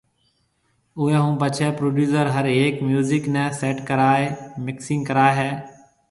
اوئي ھونپڇي پروڊيوسر ھر ھيَََڪ ميوزڪ ني سيٽ ڪرائي مڪسنگ ڪراوي ھيَََ